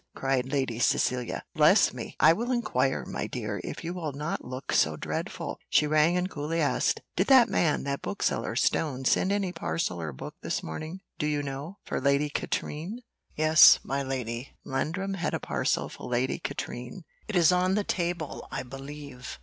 cried Lady Cecilia. "Bless me! I will inquire, my dear, if you will not look so dreadful." She rang and coolly asked "Did that man, that bookseller, Stone, send any parcel or book this morning, do you know, for Lady Katrine?" "Yes, my lady; Landrum had a parcel for Lady Katrine it is on the table, I believe."